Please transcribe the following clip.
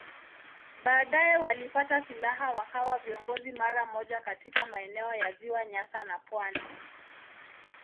Baadaye walipata silaha wakawa viongozi mara moja katika maeneo ya Ziwa Nyasa na pwani.